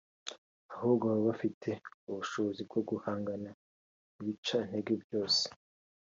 ahubwo baba bafite ubushobozi bwo guhangana n’ibicantege byose